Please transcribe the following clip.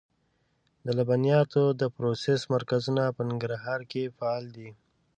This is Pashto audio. د لبنیاتو د پروسس مرکزونه په ننګرهار کې فعال دي.